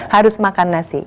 harus makan nasi